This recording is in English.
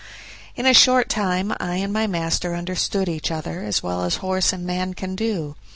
In a short time I and my master understood each other as well as horse and man can do.